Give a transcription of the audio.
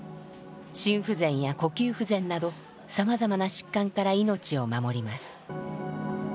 心不全や呼吸不全などさまざまな疾患から命を守ります。